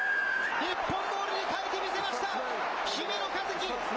日本ボールに変えてみせました。